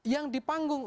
yang di panggung